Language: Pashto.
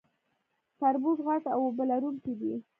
تربوز غټ او اوبه لرونکی دی